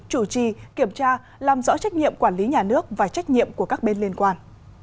chủ trì kiểm tra làm rõ trách nhiệm quản lý nhà nước và trách nhiệm của các bên liên quan